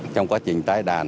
trong quá trình tái đàn